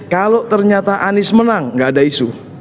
kalau ternyata anies menang gak ada isu